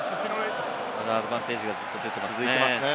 アドバンテージが出ていますね。